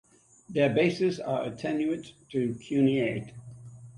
Their bases are attenuate to cuneate.